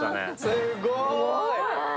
すごーい。